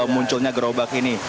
munculnya gerobak ini